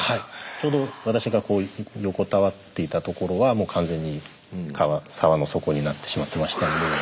ちょうど私が横たわっていた所は完全に沢の底になってしまってましたんで。